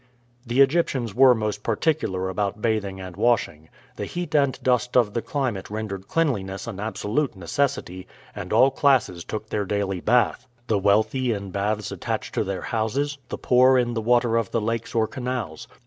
The Egyptians were most particular about bathing and washing. The heat and dust of the climate rendered cleanliness an absolute necessity, and all classes took their daily bath the wealthy in baths attached to their houses, the poor in the water of the lakes or canals.